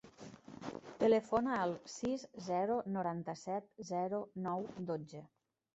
Telefona al sis, zero, noranta-set, zero, nou, dotze.